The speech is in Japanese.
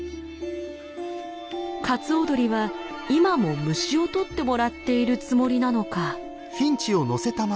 カツオドリは今も虫を取ってもらっているつもりなのか？